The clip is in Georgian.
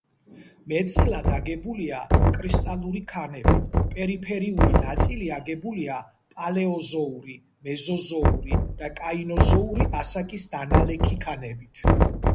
მეტწილად აგებულია კრისტალური ქანებით, პერიფერიული ნაწილი აგებულია პალეოზოური, მეზოზოური და კაინოზოური ასაკის დანალექი ქანებით.